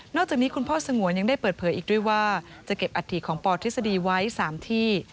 จากนี้คุณพ่อสงวนยังได้เปิดเผยอีกด้วยว่าจะเก็บอัฐิของปทฤษฎีไว้๓ที่